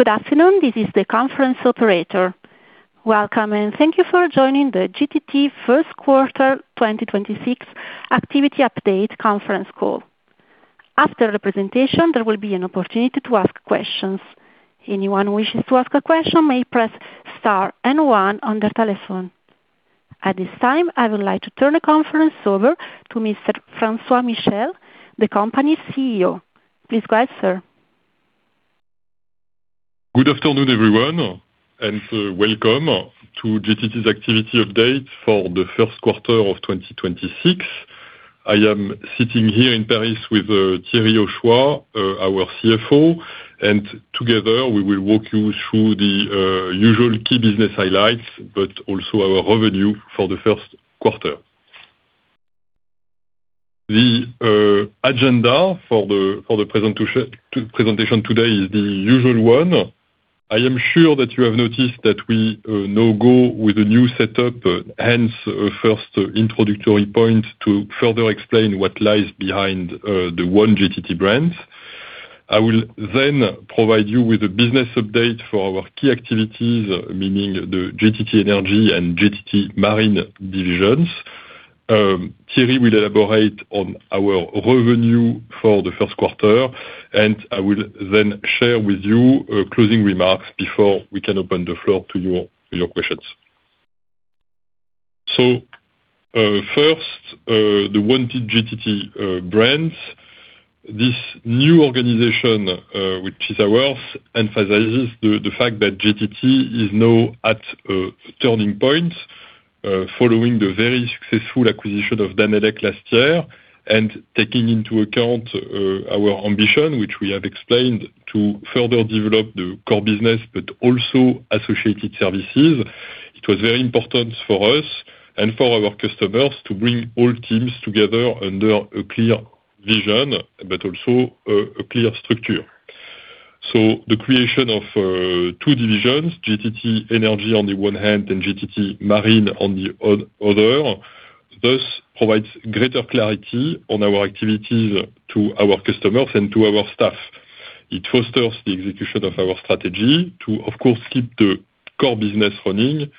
Good afternoon. This is the conference operator. Welcome and thank you for joining the GTT first quarter 2026 Activity Update conference call. After the presentation, there will be an opportunity to ask questions. Anyone who wishes to ask a question may press star and one on their telephone. At this time, I would like to turn the conference over to Mr. François Michel, the company's CEO. Please go ahead, sir. Good afternoon, everyone, and welcome to GTT's Activity Update for the first quarter of 2026. I am sitting here in Paris with Thierry Hochoa, our CFO, and together we will walk you through the usual key business highlights, but also our revenue for the first quarter. The agenda for the presentation today is the usual one. I am sure that you have noticed that we now go with a new setup, hence first introductory point to further explain what lies behind the one GTT brand. I will then provide you with a business update for our key activities, meaning the GTT Energy and GTT Marine divisions. Thierry will elaborate on our revenue for the first quarter, and I will then share with you closing remarks before we can open the floor to your questions. First, the one GTT brand. This new organization, which is ours, emphasizes the fact that GTT is now at a turning point following the very successful acquisition of Danelec last year, and taking into account our ambition, which we have explained to further develop the core business but also associated services. It was very important for us and for our customers to bring all teams together under a clear vision but also a clear structure. The creation of two divisions, GTT Energy on the one hand and GTT Marine on the other. This provides greater clarity on our activities to our customers and to our staff. It fosters the execution of our strategy to, of course, keep the core business running,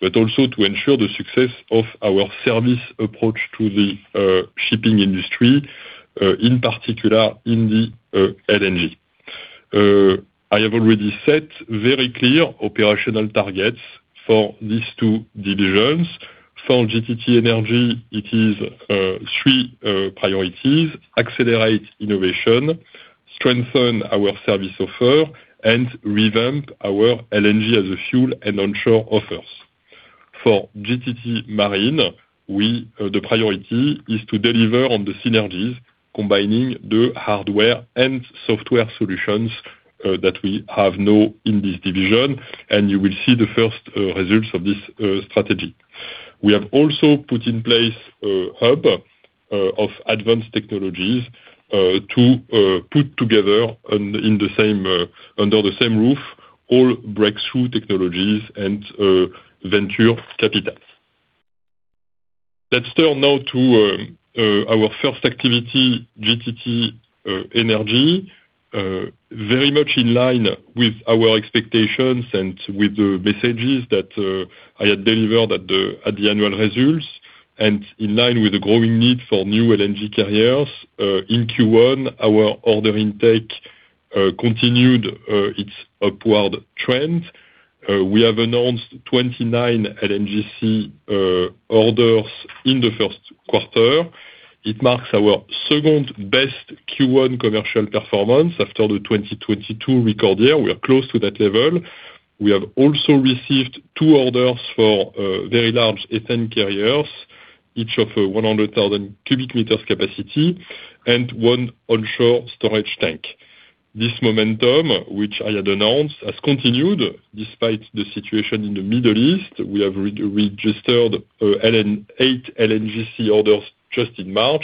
but also to ensure the success of our service approach to the shipping industry, in particular in the LNG. I have already set very clear operational targets for these two divisions. For GTT Energy, it is three priorities, accelerate innovation, strengthen our service offer, and revamp our LNG as a fuel and onshore offers. For GTT Marine, the priority is to deliver on the synergies, combining the hardware and software solutions that we have now in this division, and you will see the first results of this strategy. We have also put in place a hub of advanced technologies to put together under the same roof all breakthrough technologies and venture capital. Let's turn now to our first activity, GTT Energy, very much in line with our expectations and with the messages that I had delivered at the annual results, and in line with the growing need for new LNG carriers. In Q1, our order intake continued its upward trend. We have announced 29 LNGC orders in the first quarter. It marks our second-best Q1 commercial performance after the 2022 record year. We are close to that level. We have also received two orders for very large ethane carriers, each of 100,000 cu m capacity, and one onshore storage tank. This momentum, which I had announced, has continued despite the situation in the Middle East. We have registered eight LNGC orders just in March,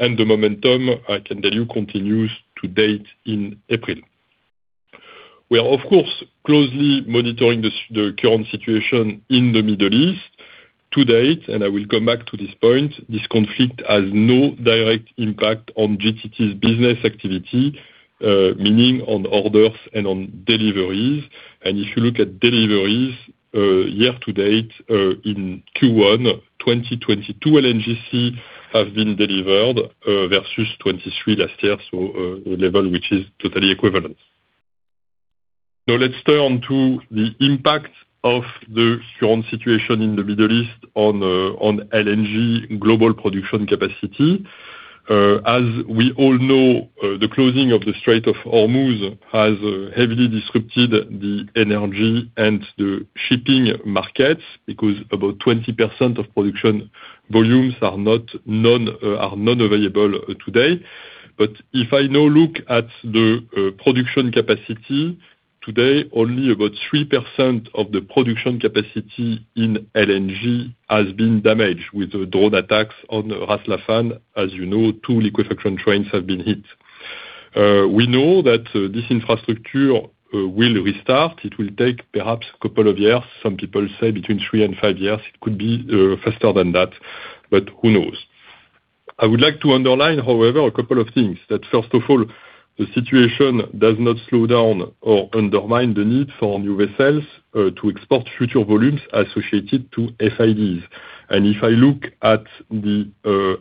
and the momentum, I can tell you, continues to date in April. We are, of course, closely monitoring the current situation in the Middle East. To date, and I will come back to this point, this conflict has no direct impact on GTT's business activity, meaning on orders and on deliveries. If you look at deliveries year-to-date in Q1 2022, LNGC have been delivered versus 23 last year, so a level which is totally equivalent. Now let's turn to the impact of the current situation in the Middle East on LNG global production capacity. As we all know, the closing of the Strait of Hormuz has heavily disrupted the energy and the shipping markets because about 20% of production volumes are unavailable today. If I now look at the production capacity, today only about 3% of the production capacity in LNG has been damaged with the drone attacks on Ras Laffan. As you know, two liquefaction trains have been hit. We know that this infrastructure will restart. It will take perhaps a couple of years. Some people say between three and five years. It could be faster than that, but who knows? I would like to underline, however, a couple of things. That first of all, the situation does not slow down or undermine the need for new vessels to export future volumes associated to FIDs. If I look at the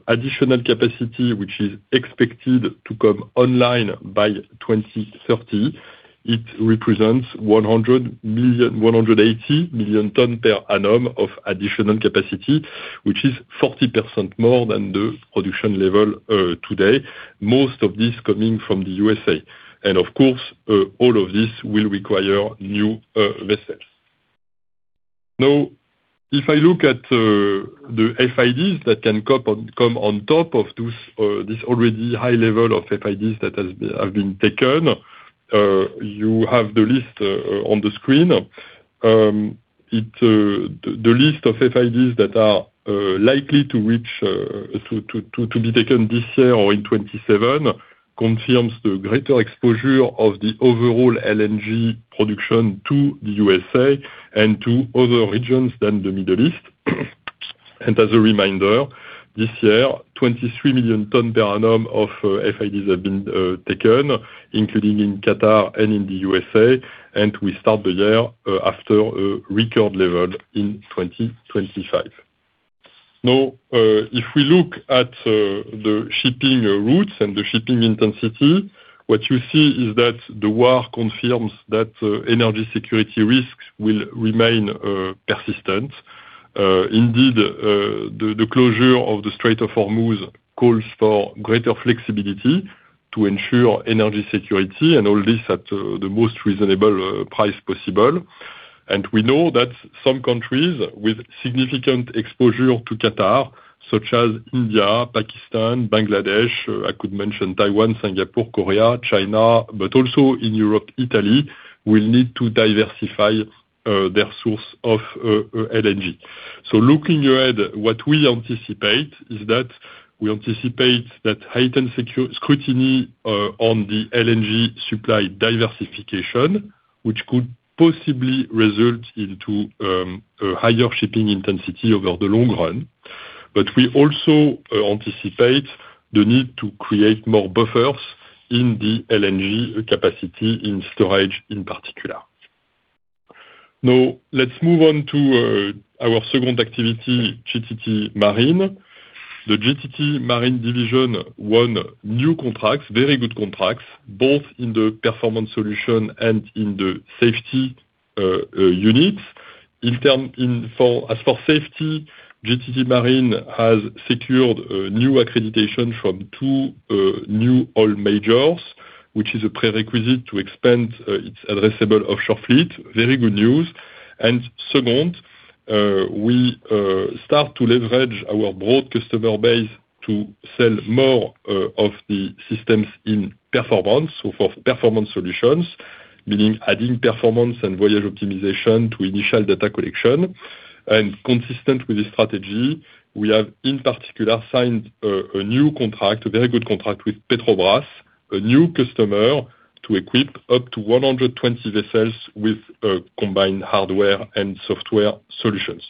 additional capacity, which is expected to come online by 2030, it represents 180 million tons per annum of additional capacity, which is 40% more than the production level today. Most of this coming from the USA. Of course, all of this will require new vessels. Now, if I look at the FIDs that can come on top of this already high level of FIDs that have been taken, you have the list on the screen. The list of FIDs that are likely to be taken this year or in 2027 confirms the greater exposure of the overall LNG production to the USA and to other regions than the Middle East. As a reminder, this year, 23 million tons per annum of FIDs have been taken, including in Qatar and in the USA, we start the year after a record level in 2025. Now, if we look at the shipping routes and the shipping intensity, what you see is that the war confirms that energy security risks will remain persistent. Indeed, the closure of the Strait of Hormuz calls for greater flexibility to ensure energy security and all this at the most reasonable price possible. We know that some countries with significant exposure to Qatar, such as India, Pakistan, Bangladesh, I could mention Taiwan, Singapore, Korea, China, but also in Europe, Italy, will need to diversify their source of LNG. Looking ahead, what we anticipate is that heightened scrutiny on the LNG supply diversification, which could possibly result into higher shipping intensity over the long run. We also anticipate the need to create more buffers in the LNG capacity in storage in particular. Now let's move on to our second activity, GTT Marine. The GTT Marine division won new contracts, very good contracts, both in the performance solution and in the safety units. As for safety, GTT Marine has secured a new accreditation from two new oil majors, which is a prerequisite to expand its addressable offshore fleet. Very good news. Second, we start to leverage our broad customer base to sell more of the systems in performance or for performance solutions, meaning adding performance and voyage optimization to initial data collection. Consistent with this strategy, we have in particular signed a new contract, a very good contract with Petrobras, a new customer, to equip up to 120 vessels with combined hardware and software solutions.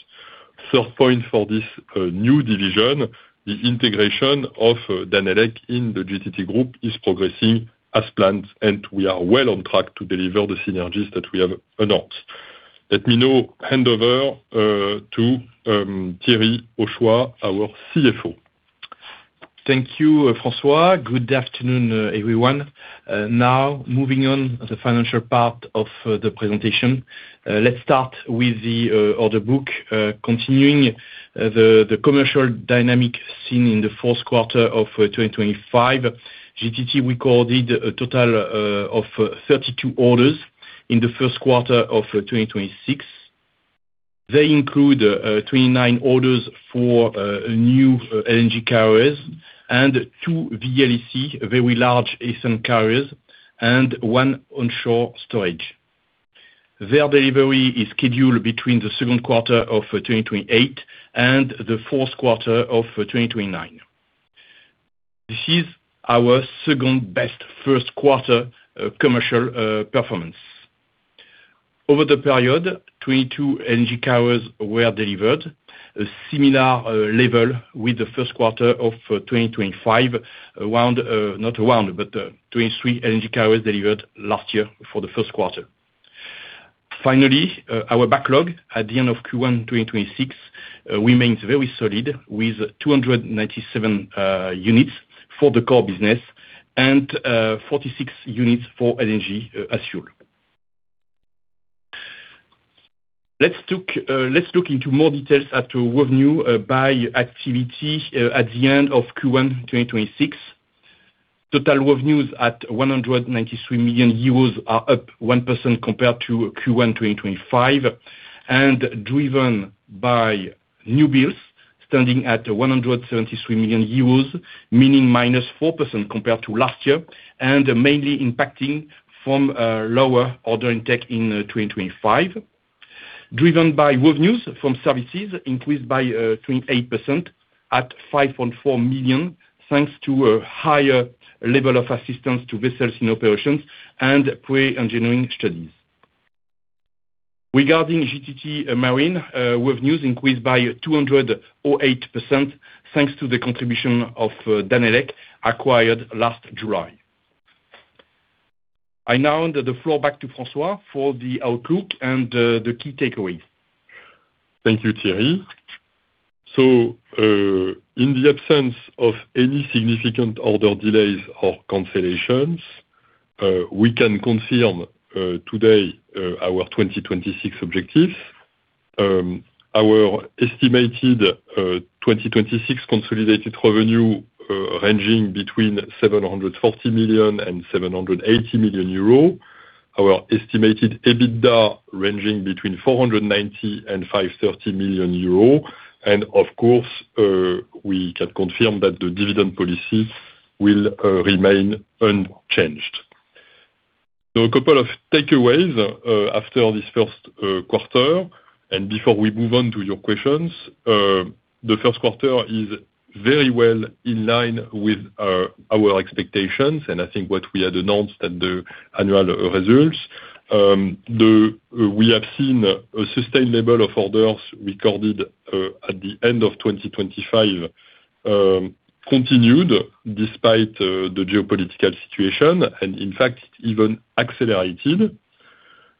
Third point for this new division, the integration of Danelec in the GTT group is progressing as planned, and we are well on track to deliver the synergies that we have announced. Let me now hand over to Thierry Hochoa, our CFO. Thank you, François. Good afternoon, everyone. Now moving on the financial part of the presentation. Let's start with the order book. Continuing the commercial dynamic seen in the fourth quarter of 2025. GTT recorded a total of 32 orders in the first quarter of 2026. They include 29 orders for new LNG carriers and 2 VLEC, very large ethane carriers, and one onshore storage. Their delivery is scheduled between the second quarter of 2028 and the fourth quarter of 2029. This is our second-best first quarter commercial performance. Over the period, 22 LNG carriers were delivered, a similar level with the first quarter of 2025, 23 LNG carriers delivered last year for the first quarter. Finally, our backlog at the end of Q1 2026 remains very solid with 297 units for the core business and 46 units for LNG as fuel. Let's look into more details at revenue by activity at the end of Q1 2026. Total revenues at 193 million euros are up 1% compared to Q1 2025, and driven by new builds standing at 173 million euros, meaning -4% compared to last year, and mainly impacted by lower order intake in 2025. Revenues from services increased by 28% at 5.4 million, thanks to a higher level of assistance to vessels in operations and pre-engineering studies. Regarding GTT Marine, revenues increased by 208%, thanks to the contribution of Danelec, acquired last July. I now hand the floor back to François for the outlook and the key takeaways. Thank you, Thierry. In the absence of any significant order delays or cancellations, we can confirm today our 2026 objectives. Our estimated 2026 consolidated revenue ranging between 740 million-780 million euro. Our estimated EBITDA ranging between 490 million-530 million euro, and of course, we can confirm that the dividend policy will remain unchanged. A couple of takeaways after this first quarter, and before we move on to your questions. The first quarter is very well in line with our expectations, and I think what we had announced at the annual results, we have seen a sustained level of orders recorded at the end of 2025, continued despite the geopolitical situation and in fact even accelerated.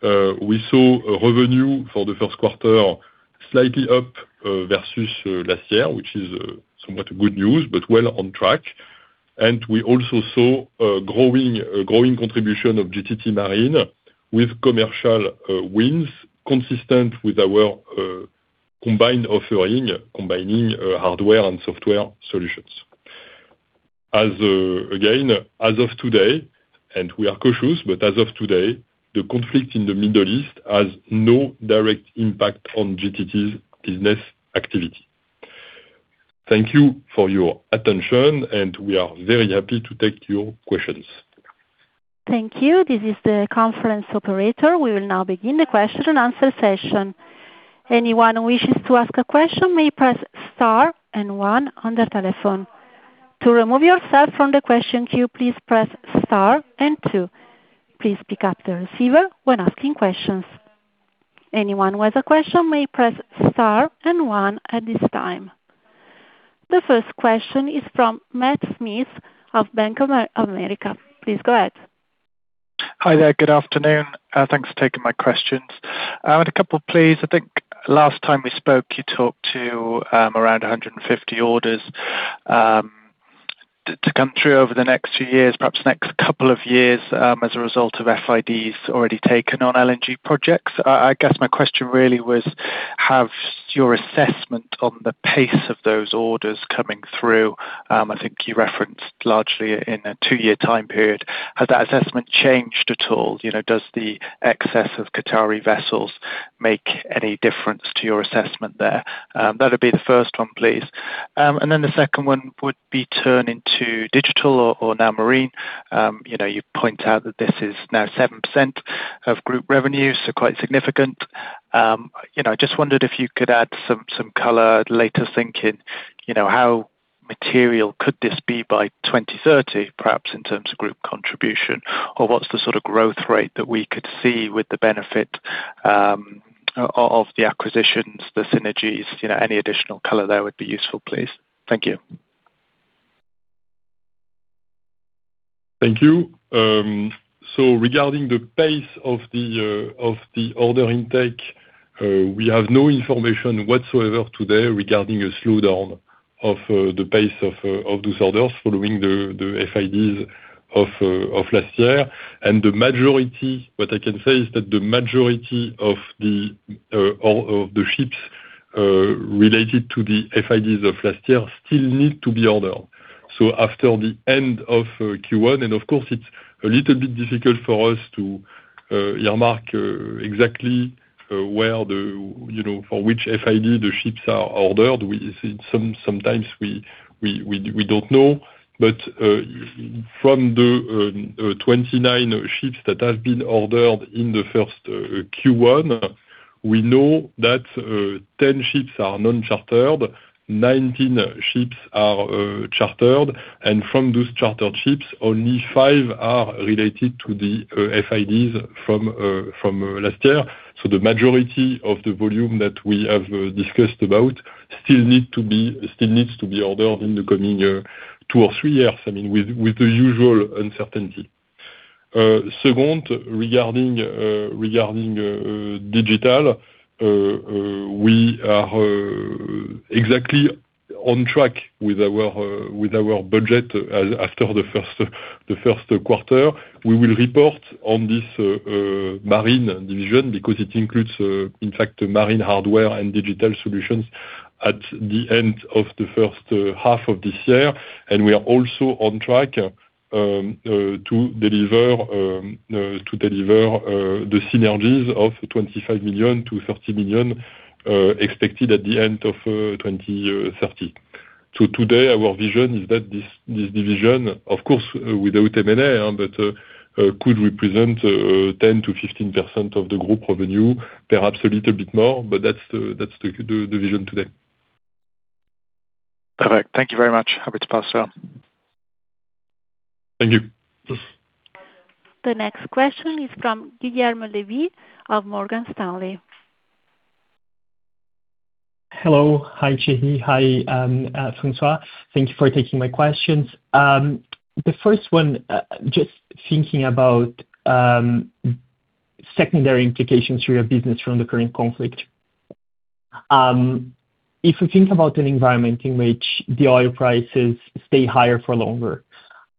We saw revenue for the first quarter slightly up versus last year, which is somewhat good news, but well on track. We also saw a growing contribution of GTT Marine with commercial wins consistent with our combined offering, combining hardware and software solutions. Again, as of today, and we are cautious, but as of today, the conflict in the Middle East has no direct impact on GTT's business activity. Thank you for your attention, and we are very happy to take your questions. Thank you. This is the conference operator. We will now begin the question-and-answer session. Anyone who wishes to ask a question may press star and one on their telephone. To remove yourself from the question queue, please press star and two. Please pick up the receiver when asking questions. Anyone who has a question may press star and one at this time. The first question is from Matt Smith of Bank of America. Please go ahead. Hi there. Good afternoon. Thanks for taking my questions. I had a couple, please. I think last time we spoke, you talked to around 150 orders to come through over the next few years, perhaps next couple of years, as a result of FIDs already taken on LNG projects. I guess my question really was, has your assessment on the pace of those orders coming through, I think you referenced largely in a two-year time period. Has that assessment changed at all? Does the excess of Qatari vessels make any difference to your assessment there? That'd be the first one, please. The second one would be turning to Digital, or now, Marine. You point out that this is now 7% of group revenue, so quite significant. I just wondered if you could add some color, later thinking, how material could this be by 2030, perhaps in terms of group contribution, or what's the sort of growth rate that we could see with the benefit of the acquisitions, the synergies, any additional color there would be useful, please. Thank you. Thank you. Regarding the pace of the order intake, we have no information whatsoever today regarding a slowdown of the pace of those orders following the FIDs of last year. What I can say is that the majority of the ships related to the FIDs of last year still need to be ordered. After the end of Q1, and of course, it's a little bit difficult for us to earmark exactly where for which FID the ships are ordered. Sometimes we don't know. From the 29 ships that have been ordered in the first Q1, we know that 10 ships are non-chartered, 19 ships are chartered, and from those chartered ships, only five are related to the FIDs from last year. The majority of the volume that we have discussed about still needs to be ordered in the coming two or three years, I mean, with the usual uncertainty. Second, regarding digital, we are exactly on track with our budget after the first quarter. We will report on this marine division because it includes, in fact, marine hardware and digital solutions at the end of the first half of this year. We are also on track to deliver the synergies of 25 million-30 million, expected at the end of 2030. Today our vision is that this division, of course, without M&A, but could represent 10%-15% of the group revenue, perhaps a little bit more, but that's the vision today. Perfect. Thank you very much. Happy to pass around. Thank you. The next question is from Guilherme Levy of Morgan Stanley. Hello. Hi, Thierry. Hi, François. Thank you for taking my questions. The first one, just thinking about secondary implications for your business from the current conflict. If we think about an environment in which the oil prices stay higher for longer,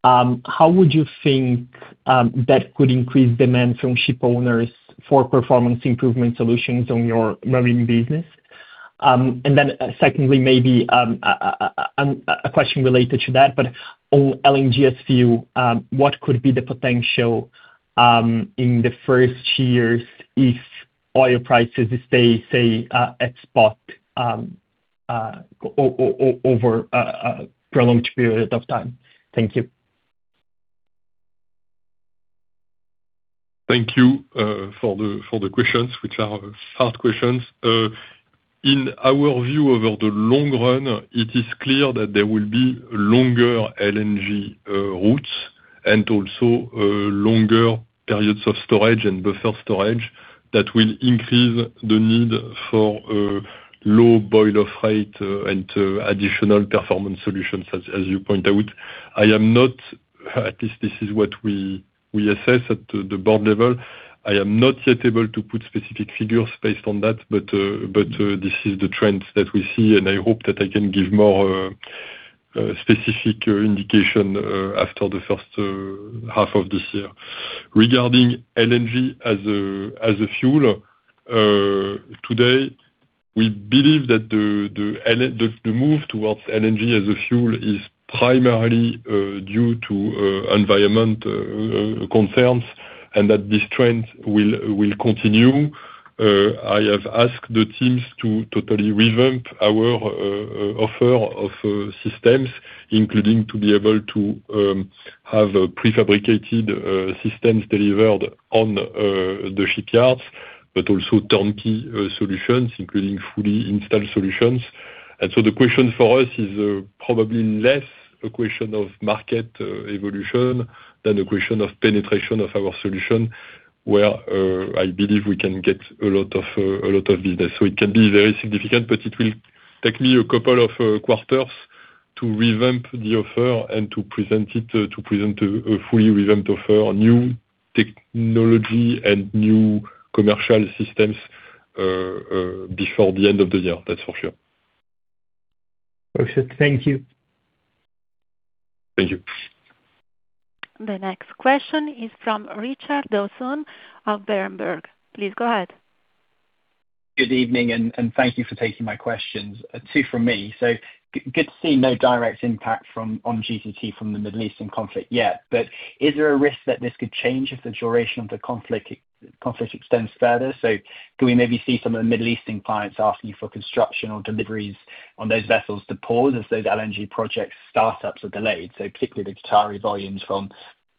how would you think that could increase demand from shipowners for performance improvement solutions on your marine business? Secondly, maybe a question related to that, but on LNG as fuel, what could be the potential in the first years if oil prices stay, say, at spot over a prolonged period of time? Thank you. Thank you for the questions, which are hard questions. In our view, over the long run, it is clear that there will be longer LNG routes and also longer periods of storage and buffer storage that will increase the need for low boil-off rate and additional performance solutions, as you point out. At least this is what we assess at the board level. I am not yet able to put specific figures based on that. This is the trend that we see, and I hope that I can give more specific indication after the first half of this year. Regarding LNG as a fuel. Today, we believe that the move towards LNG as a fuel is primarily due to environmental concerns and that this trend will continue. I have asked the teams to totally revamp our offer of systems, including to be able to have prefabricated systems delivered on the shipyards, but also turnkey solutions, including fully installed solutions. The question for us is probably less a question of market evolution than a question of penetration of our solution, where I believe we can get a lot of business. It can be very significant, but it will take me a couple of quarters to revamp the offer and to present a fully revamped offer, new technology and new commercial systems, before the end of the year. That's for sure. Perfect. Thank you. Thank you. The next question is from Richard Dawson of Berenberg. Please go ahead. Good evening, and thank you for taking my questions. Two from me. Good to see no direct impact on GTT from the Middle Eastern conflict yet. Is there a risk that this could change if the duration of the conflict extends further? Can we maybe see some of the Middle Eastern clients asking for construction or deliveries on those vessels to pause as those LNG project startups are delayed, so particularly the Qatari volumes from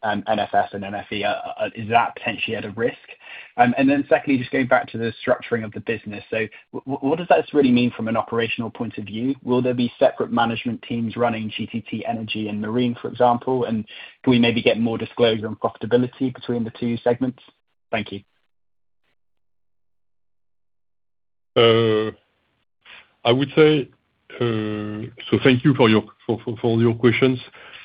NFS and NFE? Is that potentially at a risk? Secondly, just going back to the structuring of the business. What does that really mean from an operational point of view? Will there be separate management teams running GTT Energy and Marine, for example? Can we maybe get more disclosure on profitability between the two segments? Thank you. Thank you for your questions.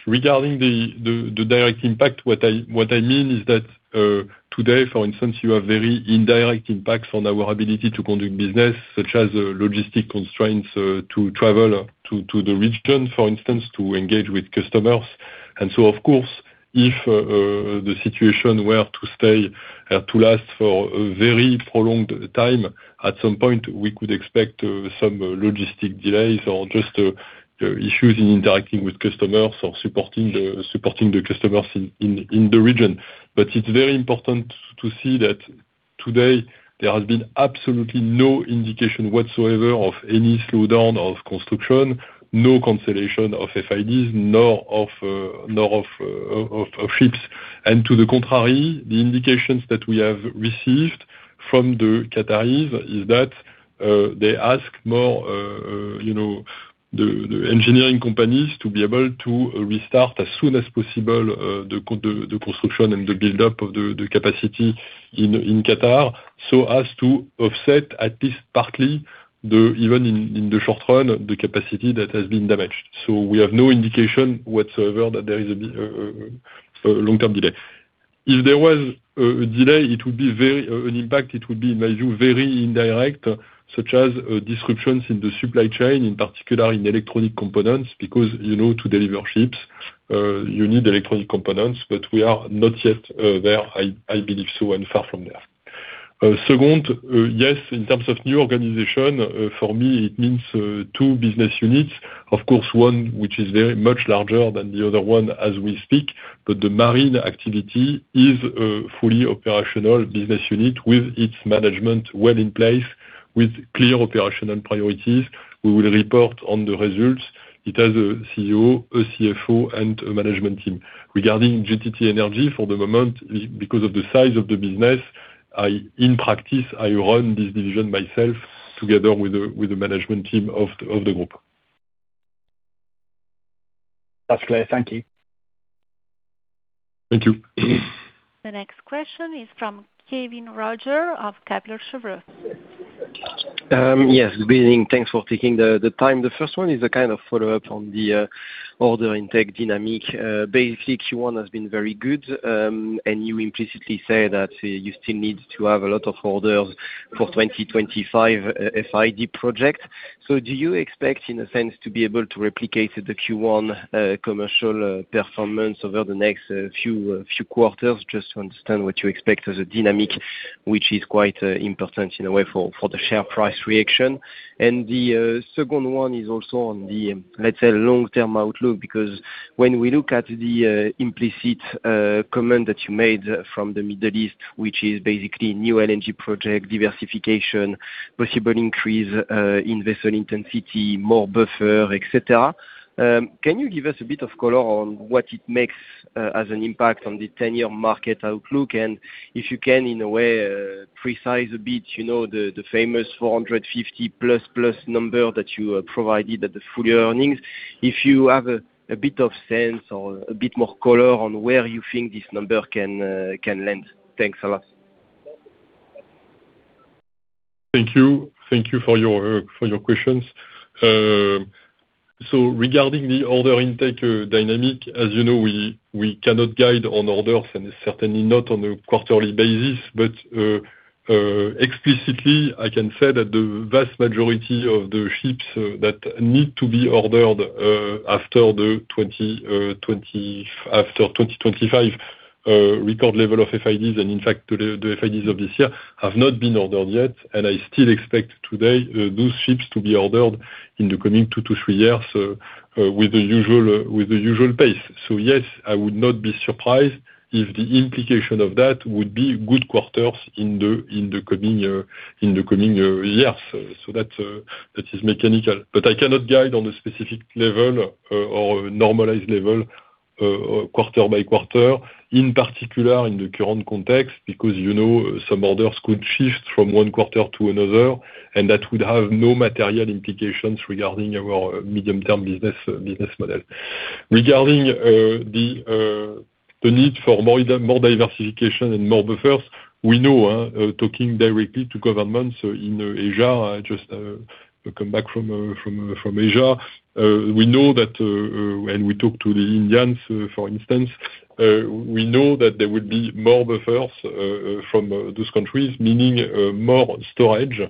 Regarding the direct impact, what I mean is that today, for instance, you have very indirect impacts on our ability to conduct business, such as logistical constraints to travel to the region, for instance, to engage with customers. Of course, if the situation were to last for a very prolonged time, at some point, we could expect some logistical delays or just issues in interacting with customers or supporting the customers in the region. It's very important to see that today there has been absolutely no indication whatsoever of any slowdown of construction, no cancellation of FIDs, nor of ships. To the contrary, the indications that we have received from the Qataris is that they ask more engineering companies to be able to restart as soon as possible the construction and the buildup of the capacity in Qatar so as to offset, at least partly, even in the short run, the capacity that has been damaged. We have no indication whatsoever that there is a long-term delay. If there was a delay, an impact, it would be, in my view, very indirect, such as disruptions in the supply chain, in particular in electronic components, because to deliver ships, you need electronic components, but we are not yet there. I believe so, and far from there. Second, yes, in terms of new organization, for me, it means two business units. Of course, one which is very much larger than the other one as we speak. The marine activity is a fully operational business unit with its management well in place with clear operational priorities. We will report on the results. It has a CEO, a CFO, and a management team. Regarding GTT Energy, for the moment, because of the size of the business. In practice, I run this division myself together with the management team of the group. That's clear. Thank you. Thank you. The next question is from Kévin Roger of Kepler Cheuvreux. Yes, good evening. Thanks for taking the time. The first one is a follow-up on the order intake dynamic. Basically, Q1 has been very good, and you implicitly say that you still need to have a lot of orders for 2025 FID project. Do you expect, in a sense, to be able to replicate the Q1 commercial performance over the next few quarters? Just to understand what you expect as a dynamic, which is quite important in a way for the share price reaction. The second one is also on the, let's say, long-term outlook, because when we look at the implicit comment that you made from the Middle East, which is basically new LNG project diversification, possible increase investor intensity, more buffer, et cetera. Can you give us a bit of color on what it makes as an impact on the 10-year market outlook? If you can, in a way, provide a bit, the famous 450+ number that you provided at the full year earnings. If you have a bit of sense or a bit more color on where you think this number can land. Thanks a lot. Thank you. Thank you for your questions. Regarding the order intake dynamic, as you know, we cannot guide on orders and certainly not on a quarterly basis. Explicitly, I can say that the vast majority of the ships that need to be ordered after 2025 record level of FIDs and in fact, the FIDs of this year have not been ordered yet, and I still expect today those ships to be ordered in the coming two to three years with the usual pace. Yes, I would not be surprised if the implication of that would be good quarters in the coming years. That is mechanical, but I cannot guide on a specific level or a normalized level quarter-by-quarter. In particular, in the current context, because some orders could shift from one quarter to another, and that would have no material implications regarding our medium-term business model. Regarding the need for more diversification and more buffers, we know from talking directly to governments in Asia, just came back from Asia, when we talk to the Indians, for instance, we know that there would be more buffers from those countries, meaning more storage.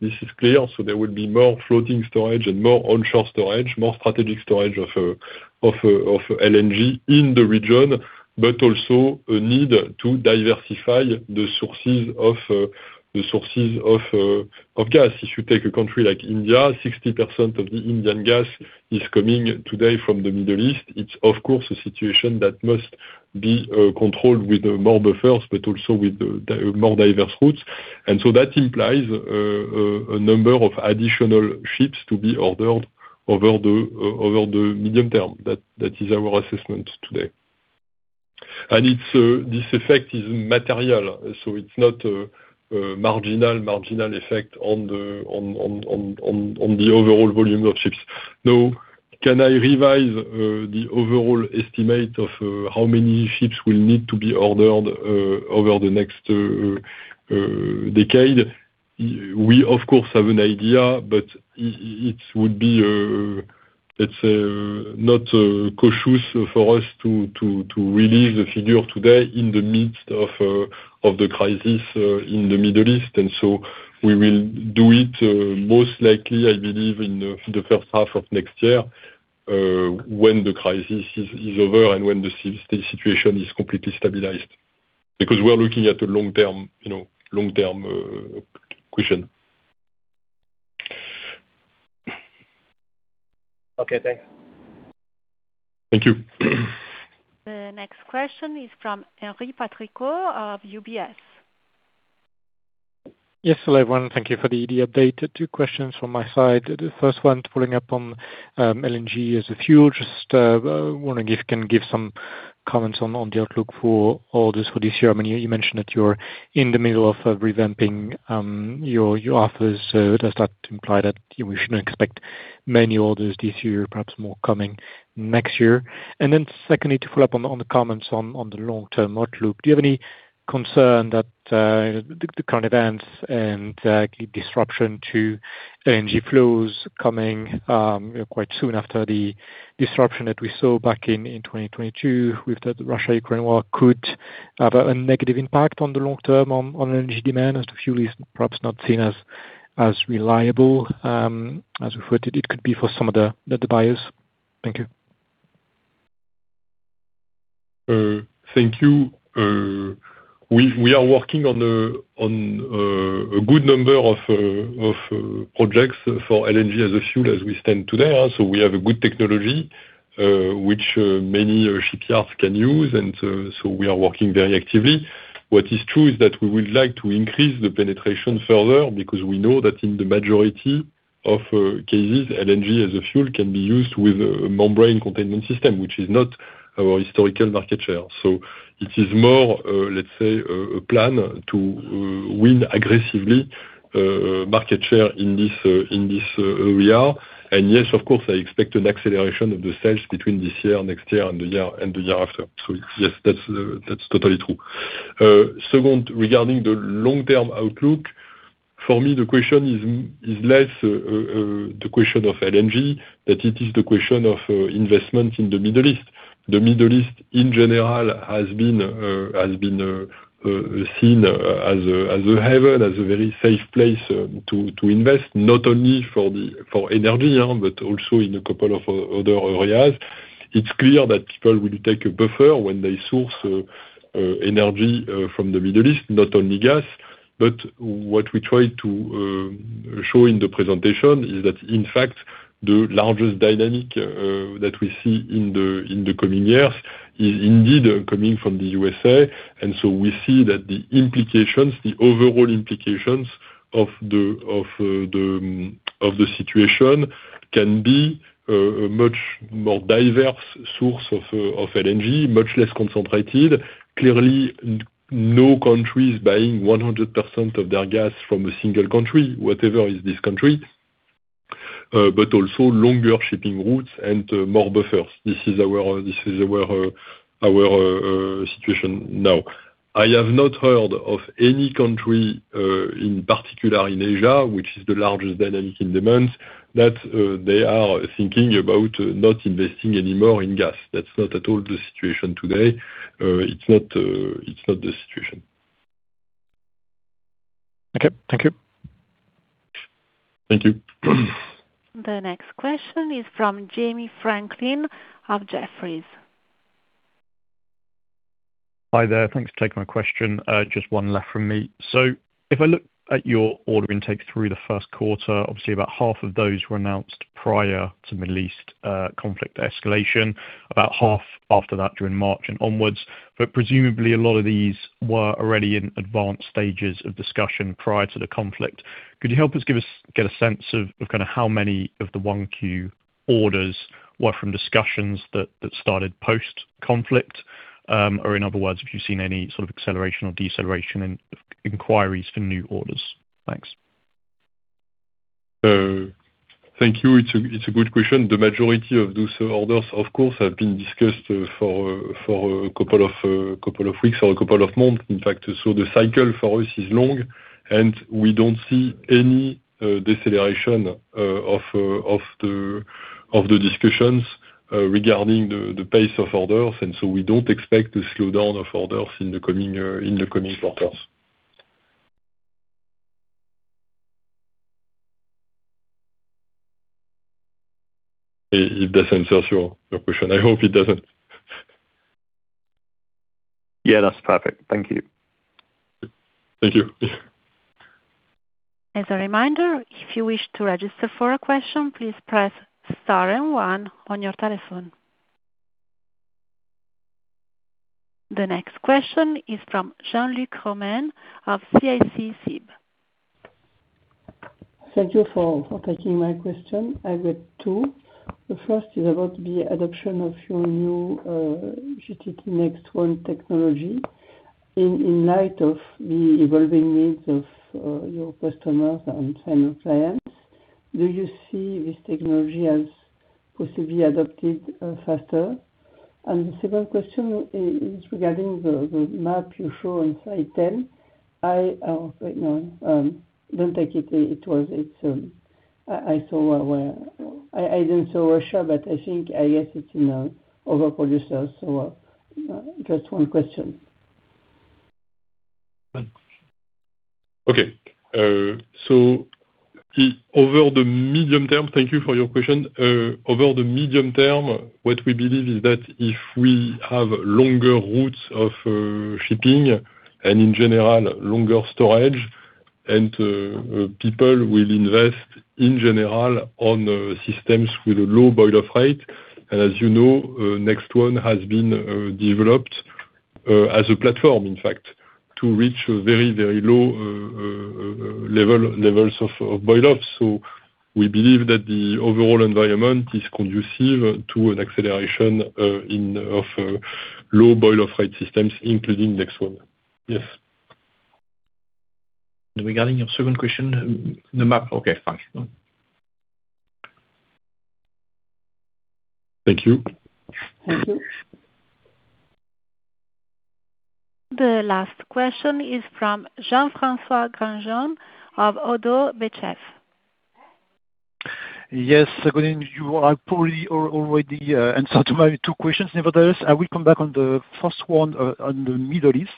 This is clear. There would be more floating storage and more onshore storage, more strategic storage of LNG in the region, but also a need to diversify the sources of gas. If you take a country like India, 60% of the Indian gas is coming today from the Middle East. It's of course a situation that must be controlled with more buffers, but also with more diverse routes. That implies a number of additional ships to be ordered over the medium term. That is our assessment today. This effect is material, so it's not a marginal effect on the overall volume of ships. Now, can I revise the overall estimate of how many ships will need to be ordered over the next decade? We of course have an idea, but it's not cautious for us to release the figure today in the midst of the crisis in the Middle East. We will do it, most likely, I believe, in the first half of next year when the crisis is over and when the situation is completely stabilized, because we are looking at the long-term question. Okay, thanks. Thank you. The next question is from Henri Patricot of UBS. Yes. Hello, everyone. Thank you for the update. Two questions from my side. The first one following up on LNG as a fuel. Just wondering if you can give some comments on the outlook for orders for this year. You mentioned that you're in the middle of revamping your offers. Does that imply that we shouldn't expect many orders this year, perhaps more coming next year? Secondly, to follow up on the comments on the long-term outlook, do you have any concern that the current events and disruption to LNG flows coming quite soon after the disruption that we saw back in 2022 with the Russia-Ukraine war could have a negative impact on the long term on LNG demand, as the fuel is perhaps not seen as reliable as it could be for some of the buyers. Thank you. Thank you. We are working on a good number of projects for LNG as a fuel as we stand today. We have a good technology, which many shipyards can use, and we are working very actively. What is true is that we would like to increase the penetration further because we know that in the majority of cases, LNG as a fuel can be used with a membrane containment system, which is not our historical market share. It is more, let's say, a plan to win aggressively market share in this area. Yes, of course, I expect an acceleration of the sales between this year and next year and the year after. Yes, that's totally true. Second, regarding the long-term outlook, for me, the question is less the question of LNG, that it is the question of investment in the Middle East. The Middle East, in general, has been seen as a haven, as a very safe place to invest, not only for energy, but also in a couple of other areas. It's clear that people will take a buffer when they source energy from the Middle East, not only gas. What we try to show in the presentation is that, in fact, the largest dynamic that we see in the coming years is indeed coming from the USA. We see that the overall implications of the situation can be a much more diverse source of LNG, much less concentrated. Clearly, no country is buying 100% of their gas from a single country, whatever that country is, but also longer shipping routes and more buffers. This is where our situation is now. I have not heard of any country, in particular in Asia, which is the largest dynamic in demands, that they are thinking about not investing any more in gas. That's not at all the situation today. It's not the situation. Okay, thank you. Thank you. The next question is from Jamie Franklin of Jefferies. Hi there. Thanks for taking my question. Just one left from me. If I look at your order intake through the first quarter, obviously about half of those were announced prior to Middle East conflict escalation, about half after that during March and onwards. Presumably a lot of these were already in advanced stages of discussion prior to the conflict. Could you help us get a sense of how many of the 1Q orders were from discussions that started post-conflict? In other words, have you seen any sort of acceleration or deceleration in inquiries for new orders? Thanks. Thank you. It's a good question. The majority of those orders, of course, have been discussed for a couple of weeks or a couple of months, in fact. The cycle for us is long, and we don't see any deceleration of the discussions regarding the pace of orders. We don't expect a slowdown of orders in the coming quarters. It doesn't answer your question. I hope it doesn't. Yeah, that's perfect. Thank you. Thank you. As a reminder, if you wish to register for a question, please press star and one on your telephone. The next question is from Jean-Luc Romain of CIC CIB. Thank you for taking my question. I've got two. The first is about the adoption of your new GTT NEXT1 technology. In light of the evolving needs of your customers and final clients, do you see this technology as possibly adopted faster? The second question is regarding the map you show on slide 10. I didn't see Russia, but I think, I guess it's in other producers. Just one question. Okay. Thank you for your question. Over the medium term, what we believe is that if we have longer routes of shipping and in general longer storage, and people will invest in general on systems with a low boil off rate. As you know, GTT NEXT1 has been developed as a platform, in fact, to reach very, very low levels of boil off. We believe that the overall environment is conducive to an acceleration of low boil off rate systems, including GTT NEXT1. Yes. Regarding your second question, the map. Okay, thanks. Thank you. Thank you. The last question is from Jean-François Granjon of ODDO BHF. Yes. Good evening. You have probably already answered my two questions. Nevertheless, I will come back on the first one on the Middle East,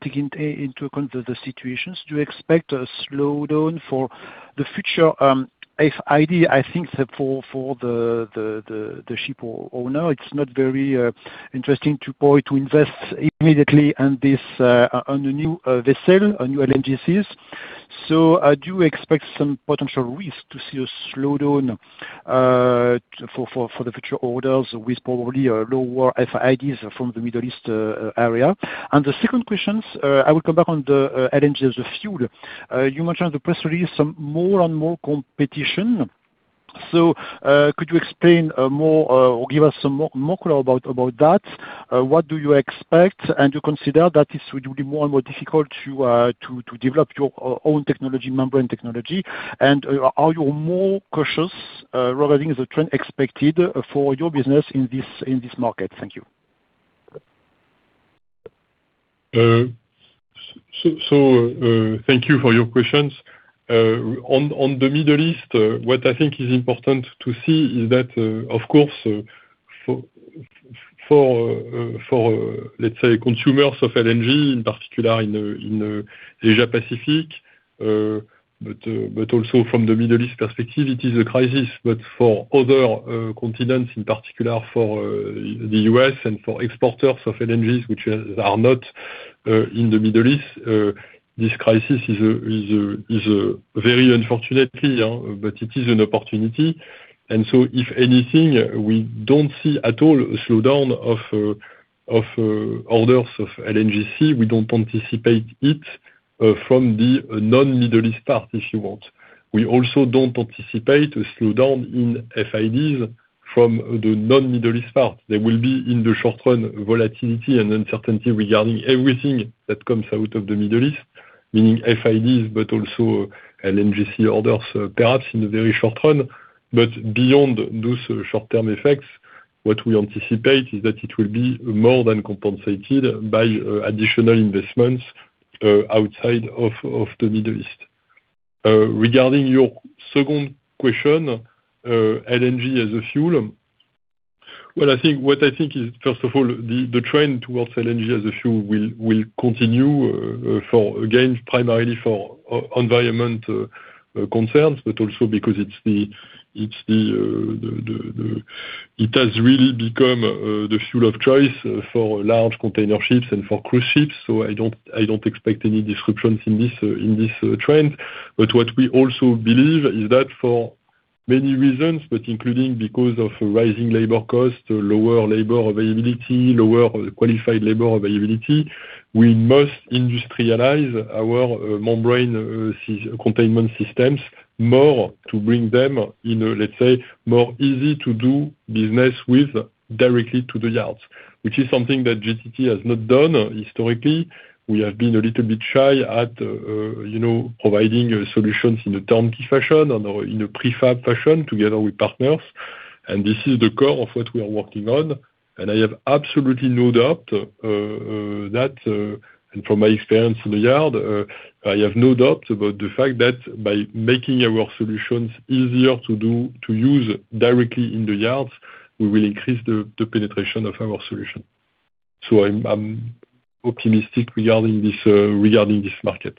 taking into account the situations. Do you expect a slowdown for the future? FID, I think, for the ship owner, it's not very interesting to invest immediately on a new vessel, on new LNGCs. Do you expect some potential risk to see a slowdown for the future orders with probably lower FIDs from the Middle East area? The second question, I will come back on the LNG as a fuel. You mentioned in the press release some more and more competition. Could you explain more or give us some more color about that? What do you expect and you consider that it will be more and more difficult to develop your own membrane technology? Are you more cautious regarding the trend expected for your business in this market? Thank you. Thank you for your questions. On the Middle East, what I think is important to see is that, of course, for let's say consumers of LNG, in particular in Asia Pacific, but also from the Middle East perspective, it is a crisis. For other continents, in particular for the U.S. and for exporters of LNGs, which are not in the Middle East, this crisis is very unfortunate, but it is an opportunity. If anything, we don't see at all a slowdown of orders of LNGC. We don't anticipate it from the non-Middle East part, if you want. We also don't anticipate a slowdown in FIDs from the non-Middle East part. There will be, in the short run, volatility and uncertainty regarding everything that comes out of the Middle East, meaning FIDs, but also LNGC orders, perhaps in the very short run. Beyond those short-term effects, what we anticipate is that it will be more than compensated by additional investments outside of the Middle East. Regarding your second question, LNG as a fuel. What I think is, first of all, the trend towards LNG as a fuel will continue for, again, primarily for environmental concerns, but also because it has really become the fuel of choice for large container ships and for cruise ships. I don't expect any disruptions in this trend. What we also believe is that for many reasons, but including because of rising labor costs, lower labor availability, lower qualified labor availability, we must industrialize our membrane containment systems more to bring them in, let's say, more easy to do business with directly to the yards. Which is something that GTT has not done historically. We have been a little bit shy at providing solutions in a turnkey fashion or in a prefab fashion together with partners. This is the core of what we are working on, and I have absolutely no doubt that, and from my experience in the yard, I have no doubts about the fact that by making our solutions easier to use directly in the yards, we will increase the penetration of our solution. I'm optimistic regarding this market.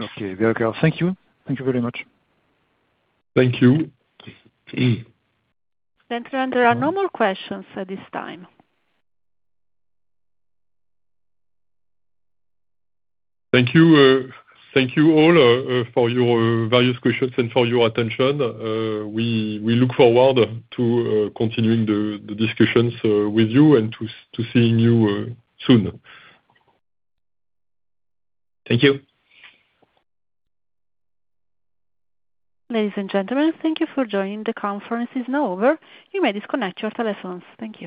Okay. Very well. Thank you. Thank you very much. Thank you. Thank you. There are no more questions at this time. Thank you. Thank you all for your various questions and for your attention. We look forward to continuing the discussions with you and to seeing you soon. Thank you. Ladies and gentlemen, thank you for joining. The conference is now over. You may disconnect your telephones. Thank you.